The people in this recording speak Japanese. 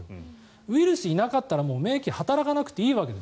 ウイルスがいなかったら免疫働かなくていいんです。